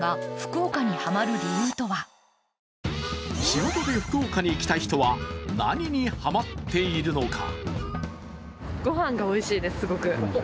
仕事で福岡に来た人は何にハマっているのか。